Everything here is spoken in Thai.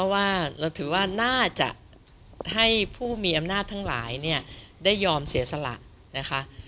ว่าเราถือว่าน่าจะให้ผู้มีอำนาจทั้งหลายได้ยอมเสียสละนะคะ